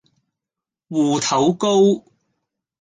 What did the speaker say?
芋頭糕